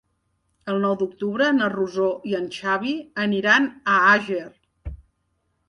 El nou d'octubre na Rosó i en Xavi aniran a Àger.